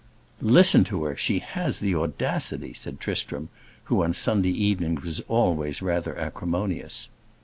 "Listen to her; she has the audacity!" said Tristram, who on Sunday evenings was always rather acrimonious.